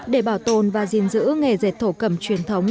để bảo tồn và gìn giữ nghề dệt thổ cẩm truyền thống